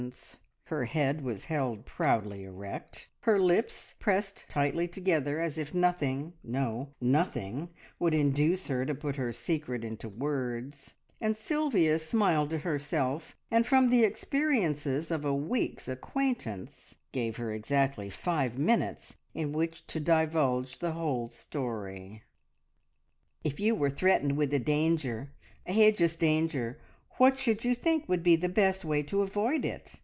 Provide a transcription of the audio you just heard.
Her head was held proudly erect, her lips pressed tightly together as if nothing, no nothing, would induce her to put her secret into words, and Sylvia smiled to herself, and from the experiences of a week's acquaintance, gave her exactly five minutes in which to divulge the whole story. "If you were threatened with a danger a hidjus danger what should you think would be the best way to avoid it?"